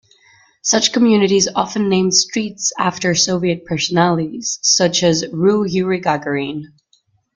Such communities often named streets after Soviet personalities, such as "rue Youri Gagarine".